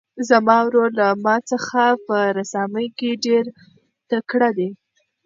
زما ورور له ما څخه په رسامۍ کې ډېر تکړه دی.